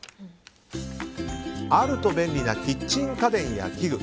あると便利なキッチン家電や器具。